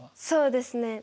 そうですね。